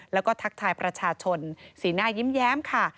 แล้วก็ทักทายประชาชนสีหน้ายิ้มแย้มค่ะ